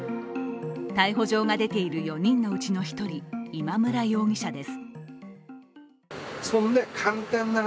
逮捕状が出ている４人のうちの１人、今村容疑者です。